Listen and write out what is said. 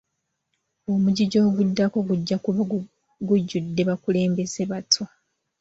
Omujiji oguddako gujja kuba gujjudde bakulembeze bato.